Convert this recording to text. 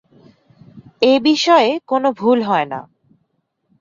এ বিষয়ে কোন ভুল না হয়।